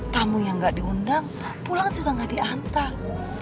tamu yang gak diundang pulang juga gak diantar